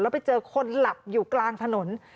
ไปเจอคนหลับอยู่กลางถนน